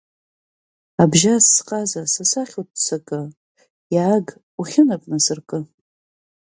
Абжьас сҟаза са сахь уццакы, иааг, ухьынап насыркы.